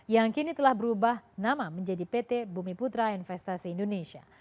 yang kini telah berubah nama menjadi pt bumi putra investasi indonesia